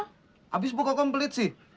habis bu kokom belit sih